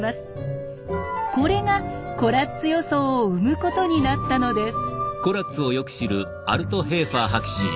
これがコラッツ予想を生むことになったのです。